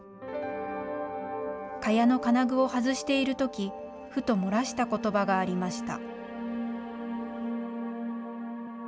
蚊帳の金具を外しているとき、ふと漏らしたことばがありました。